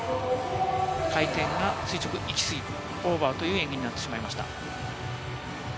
回転が垂直に行き過ぎ、オーバーという演技になってしまいました。